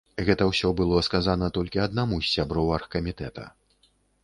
Гэта ўсё было сказана толькі аднаму з сяброў аргкамітэта.